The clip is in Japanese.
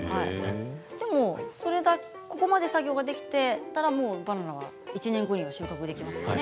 でもここまで作業ができていたら１年後にバナナが収穫できますからね。